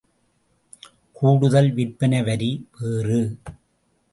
கூடுதல் விற்பனை வரி வேறு.